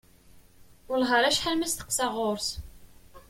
Wellah ar acḥal ma steqsaɣ ɣur-s.